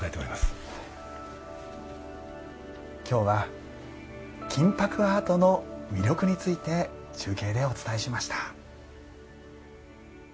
今日は金箔アートの魅力について中継でお伝えしました。